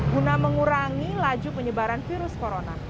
guna mengurangi laju penyebaran virus corona